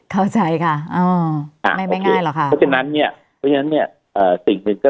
เข้าใจค่ะไม่ง่ายหรอกค่ะ